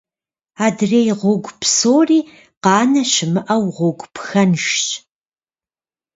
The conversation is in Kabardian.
Адрей гъуэгу псори, къанэ щымыӀэу, гъуэгу пхэнжщ.